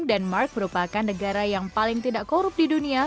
denmark merupakan negara yang paling tidak korup di dunia